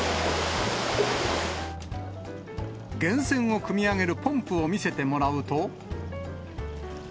源泉をくみ上げるポンプを見せてもらうと。